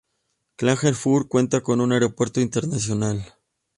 Klagenfurt cuenta con un aeropuerto internacional.